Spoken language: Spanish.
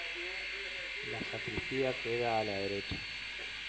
La sacristía queda a la derecha.